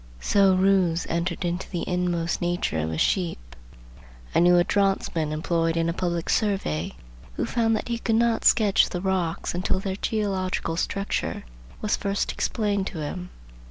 So Roos "entered into the inmost nature of a sheep." I knew a draughtsman employed in a public survey who found that he could not sketch the rocks until their geological structure was first explained to him.